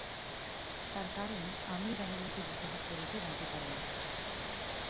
তার কারণ, আমিই দামিনীকে বিবাহ করিতে রাজি করাইয়াছিলাম।